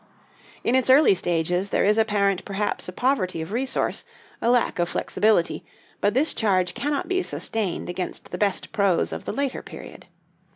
In its early stages, there is apparent perhaps a poverty of resource, a lack of flexibility; but this charge cannot be sustained against the best prose of the later period.